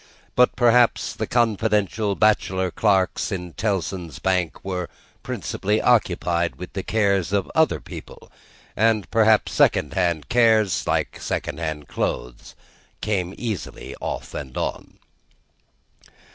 But, perhaps the confidential bachelor clerks in Tellson's Bank were principally occupied with the cares of other people; and perhaps second hand cares, like second hand clothes, come easily off and on.